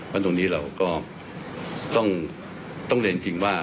เพราะตรงนี้เราก็ต้องเรียนจริงว่า